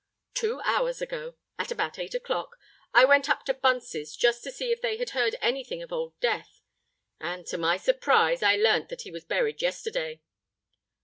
"Two hours ago—at about eight o'clock—I went up to Bunce's, just to see if they had heard any thing of Old Death; and, to my surprise, I learnt that he was buried yesterday."